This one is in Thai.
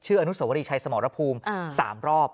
อนุสวรีชัยสมรภูมิ๓รอบ